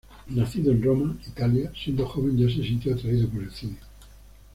Nacido en Roma, Italia, siendo joven ya se sintió atraído por el cine.